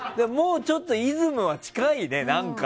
ちょっとイズムは近いね、何か。